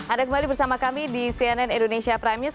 ada kembali bersama kami di cnn indonesia prime news